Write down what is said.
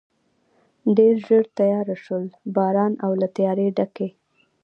ډېر ژر تېاره شول، باران او له تیارې ډکې.